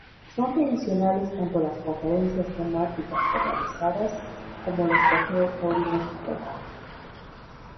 Son tradicionales tanto las conferencias temáticas organizadas como los trofeos taurinos entregados.